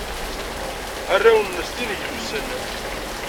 Arraw-nnes d ineglusen.